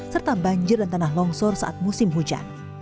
serta banjir dan tanah longsor saat musim hujan